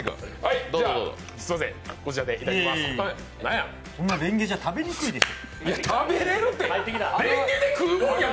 いえいえ、そんなれんげじゃ食べにくいでしょ。